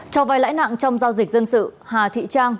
trong vài lãi nạn trong giao dịch dân sự hà thị trang